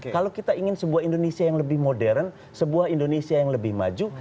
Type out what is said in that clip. kalau kita ingin sebuah indonesia yang lebih modern sebuah indonesia yang lebih maju